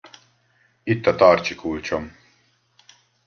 Itt a tarcsi kulcsom.